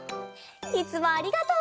いつもありがとう！